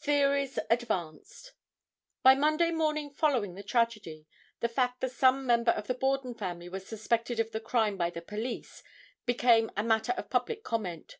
Theories Advanced. By Monday morning following the tragedy, the fact that some member of the Borden family was suspected of the crime by the police, became a matter of public comment.